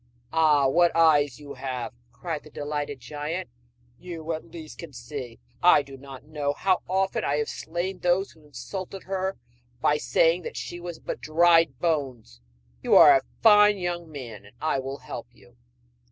'Ah, what eyes you have!' cried the delighted giant, 'you at least can see! I do not know how often I have slain those who insulted her by saying she was but dried bones! You are a fine young man, and I will help you.'